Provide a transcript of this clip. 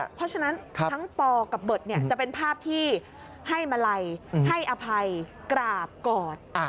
เพราะฉะนั้นทั้งปอกับเบิร์ตจะเป็นภาพที่ให้มาลัยให้อภัยกราบกอด